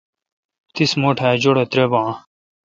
تیس مہ ٹھ ا جوڑہ ترےبان آں